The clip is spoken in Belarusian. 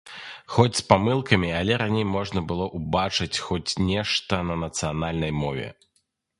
Хоць з памылкамі, але раней можна было ўбачыць хоць нешта на нацыянальнай мове.